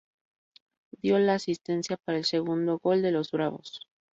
Dio la asistencia para el segundo gol de los "bravos".